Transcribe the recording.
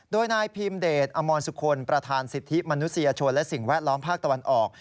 โดยนายพีมเดชอมรสุคลประธานสิทธิมนุษยชนและสิ่งแวดล้อมภาคตะวันออก